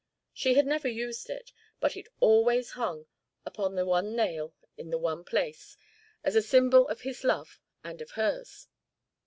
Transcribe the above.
She had never used it, but it always hung upon the one nail in the one place, as a symbol of his love and of hers.